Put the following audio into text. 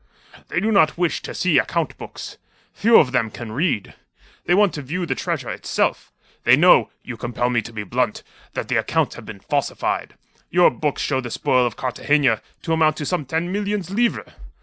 "They do not wish to see account books. Few of them can read. They want to view the treasure itself. They know you compel me to be blunt that the accounts have been falsified. Your books show the spoil of Cartagena to amount to some ten million livres.